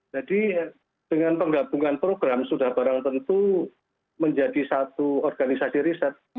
jadi dengan penggabungan program sudah barang tentu menjadi satu organisasi riset